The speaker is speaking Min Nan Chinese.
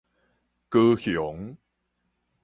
高雄